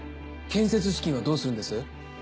建設資金はどうするんです？